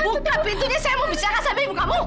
buka pintunya saya mau bicara sama ibu kamu